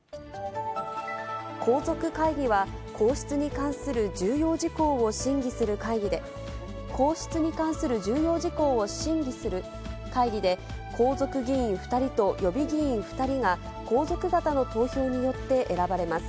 皇族会議は、皇室に関する重要事項を審議する会議で、皇室に関する重要事項を審議する会議で、皇族議員２人と予備議員２人が皇族方の投票によって選ばれます。